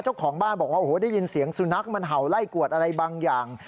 เจ้าของบ้านบอกว่าโอ้โหได้ยินเสียงสุนัขมันเห่าไล่กวดอะไรบางอย่าง